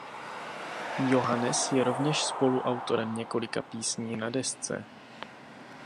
Johannes je rovněž spoluautorem několika písní na desce.